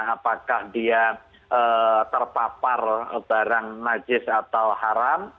apakah dia terpapar barang najis atau haram